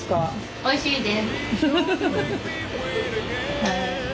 おいしいです。